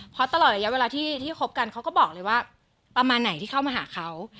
เพราะตลอดระยะเวลาที่คบกันเขาก็บอกเลยว่าประมาณไหนที่เข้ามาหาเขา